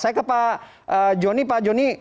saya ke pak jonny pak joni